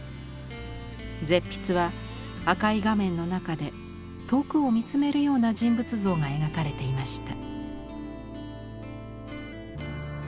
絶筆は赤い画面の中で遠くを見つめるような人物像が描かれていました。